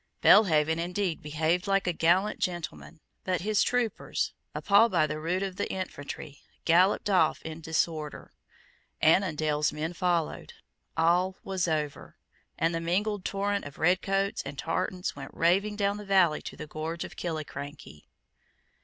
Belhaven indeed behaved like a gallant gentleman: but his troopers, appalled by the rout of the infantry, galloped off in disorder: Annandale's men followed: all was over; and the mingled torrent of redcoats and tartans went raving down the valley to the gorge of Killiecrankie.